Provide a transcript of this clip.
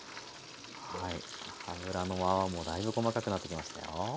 油の泡もだいぶ細かくなってきましたよ。